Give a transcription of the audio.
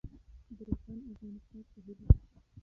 د روښانه افغانستان په هیله.